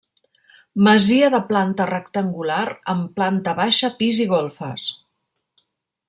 Masia de planta rectangular, amb planta baixa, pis i golfes.